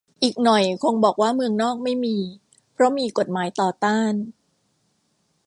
อีกหน่อยคงบอกว่าเมืองนอกไม่มี เพราะมีกฎหมายต่อต้าน